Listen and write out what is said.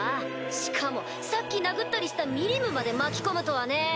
しかもさっき殴ったりしたミリムまで巻き込むとはねぇ！